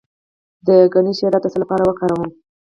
د ګني شیره د څه لپاره وکاروم؟